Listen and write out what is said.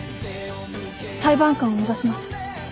裁判官を目指します。